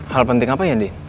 hal penting apa ya di